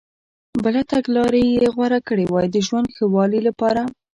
بله تګلارې یې غوره کړي وای د ژوند ښه والي لپاره.